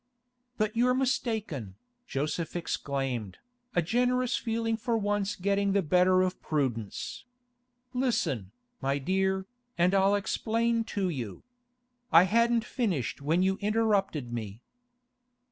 'But you're mistaken,' Joseph exclaimed, a generous feeling for once getting the better of prudence. 'Listen, my dear, and I'll explain to you. I hadn't finished when you interrupted me.